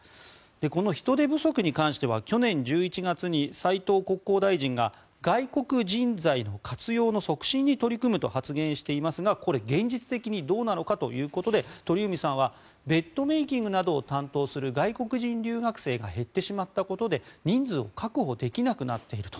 この人手不足に関しては去年１１月に斉藤国土交通大臣が外国人材の活用の促進に取り組むと発言していますがこれ、現実的にどうなのかということで鳥海さんはベッドメイキングなどを担当する外国人留学生が減ってしまったことで人数を確保できなくなっていると。